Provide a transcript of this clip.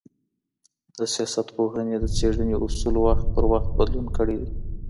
د سياست پوهني د څېړني اصولو وخت په وخت بدلون کړی دی.